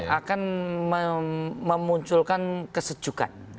akan memunculkan kesejukan